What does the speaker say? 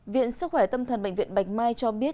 viện sức khỏe tâm thần bệnh viện bạch mai cho biết